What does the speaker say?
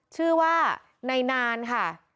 ชื่อว่านายนานค่ะ